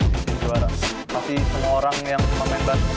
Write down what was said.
pasti semua orang yang main basket